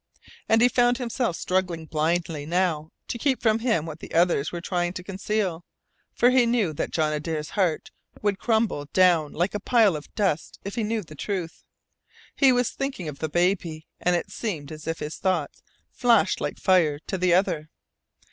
And he found himself struggling blindly now to keep from him what the others were trying to conceal, for he knew that John Adare's heart would crumble down like a pile of dust if he knew the truth. He was thinking of the baby, and it seemed as if his thoughts flashed like fire to the other.